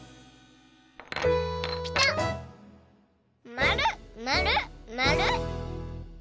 まるまるまる！